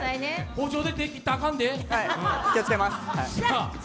包丁で手切ったらあかんで。